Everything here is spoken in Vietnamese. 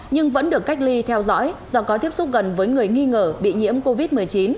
nhưng vẫn được cách ly theo dõi do có tiếp xúc gần với người nghi ngờ bị nhiễm covid một mươi chín